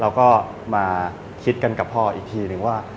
เราก็มาคิดกันกับพ่ออีกทีหนึ่งว่า